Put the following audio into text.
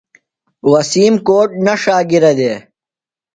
وسیم کوٹ نہ ݜا گِرہ دےۡ۔